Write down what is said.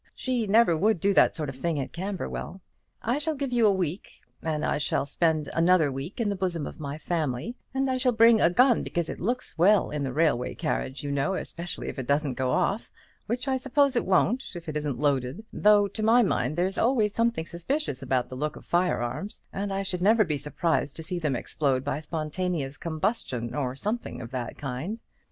She never would do that sort of thing at Camberwell. I shall give you a week, and I shall spend another week in the bosom of my family; and I shall bring a gun, because it looks well in the railway carriage, you know, especially if it doesn't go off, which I suppose it won't, if it isn't loaded; though, to my mind, there's always something suspicious about the look of fire arms, and I should never be surprised to see them explode by spontaneous combustion, or something of that kind.